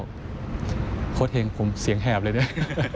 โค้ดเห็นผมเสียงแหบเลยเนี่ย